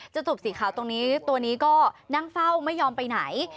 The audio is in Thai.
จุบสีขาวตรงนี้ตัวนี้ก็นั่งเฝ้าไม่ยอมไปไหน